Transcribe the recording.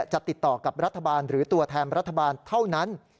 จะติดต่อกับรัฐบาลหรือตัวแทนรัฐบาลเท่านั้น